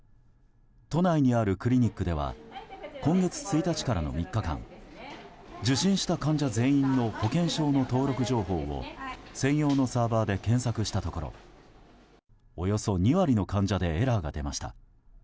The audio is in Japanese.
都内にあるクリニックでは今月１日からの３日間受診した患者全員の保険証の登録情報を専用のサーバーで検索したところおよそ２割の患者でエラーが出ました。